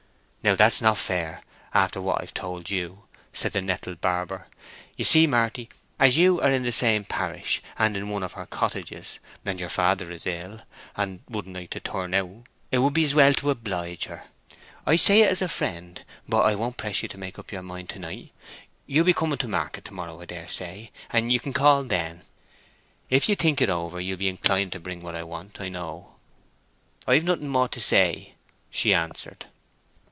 "Now, that's not fair, after what I've told you," said the nettled barber. "You see, Marty, as you are in the same parish, and in one of her cottages, and your father is ill, and wouldn't like to turn out, it would be as well to oblige her. I say that as a friend. But I won't press you to make up your mind to night. You'll be coming to market to morrow, I dare say, and you can call then. If you think it over you'll be inclined to bring what I want, I know." "I've nothing more to say," she answered.